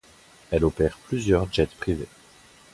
Elle opère plusieurs jets privés.